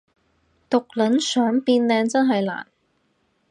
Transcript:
毒撚想變靚真係難